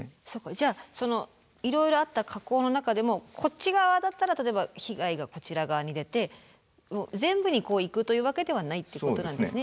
じゃあいろいろあった火口の中でもこっち側だったら例えば被害がこちら側に出て全部に行くというわけではないってことなんですね。